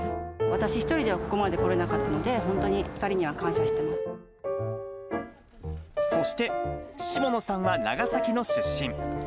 私一人ではここまで来れなかったので、本当に２人には感謝してまそして、下野さんは長崎の出身。